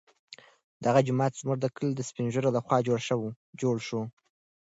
دغه جومات زموږ د کلي د سپین ږیرو لخوا جوړ شوی.